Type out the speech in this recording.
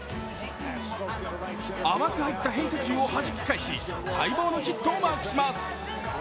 甘く入った変化球をはじき返し、待望のヒットをマークします。